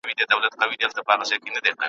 او پر ځای د بلبلکو مرغکیو `